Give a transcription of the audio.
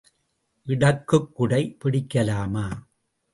இடக்குக் குடை பிடிக்கலாமா?